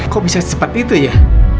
kok bisa secepat itu ya